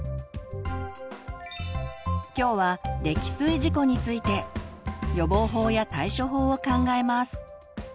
今日は「溺水事故」について予防法や対処法を考えます。